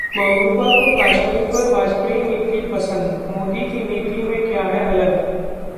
महबूबा को कश्मीर पर वाजपेयी नीति पसंद, मोदी की नीति में क्या है अलग